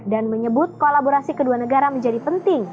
dan menyebut kolaborasi kedua negara menjadi penting